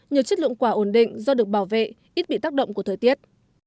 nhiều chất lượng quả ổn định do được bảo vệ ít bị tác động của thời tiết